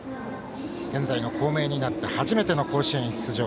現在の校名になって初めての甲子園出場。